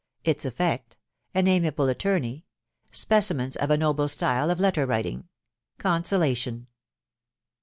JTS EFFECT.— AN AM^?M ATT^ KEY. SPECIMENS OF A NOBLE STYLE OF LETTER WRITIKQ. — CON SOLATION.